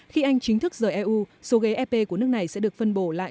khi anh chính thức rời eu số ghế ep của nước này sẽ được phân bổ lại